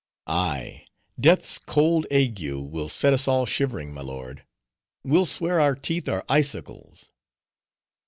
"Ay, death's cold ague will set us all shivering, my lord. We'll swear our teeth are icicles."